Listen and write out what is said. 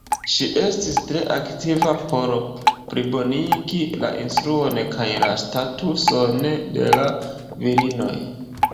Ŝi estis tre aktiva por plibonigi la instruon kaj la statuson de la virinoj.